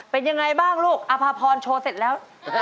เป็นยังไงบ้างลูกอภาพรโชว์เสร็จแล้ว